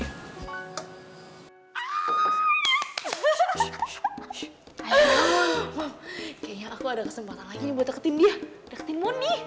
aduh kayaknya aku ada kesempatan lagi nih buat deketin dia deketin moni